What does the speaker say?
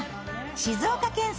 静岡県産